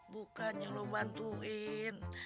bukannya lo bantuin